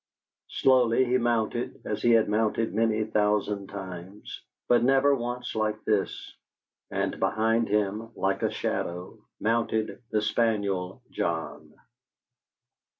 Slowly he mounted as he had mounted many thousand times, but never once like this, and behind him, like a shadow, mounted the spaniel John.